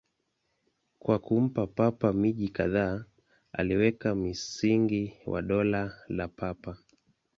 Kwa kumpa Papa miji kadhaa, aliweka msingi wa Dola la Papa.